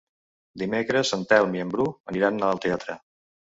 Dimecres en Telm i en Bru aniran al teatre.